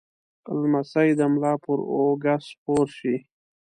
لمسی د ملا پر اوږه سپور شي.